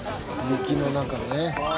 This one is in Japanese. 雪の中ね。